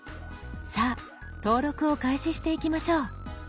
さあ登録を開始していきましょう。